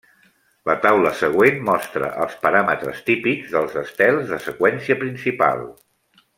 La taula següent mostra els paràmetres típics dels estels de seqüència principal.